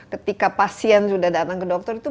ketika pasien sudah datang ke dokter itu